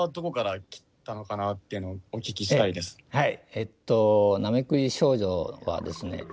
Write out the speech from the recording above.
えっと「なめくじ少女」はですね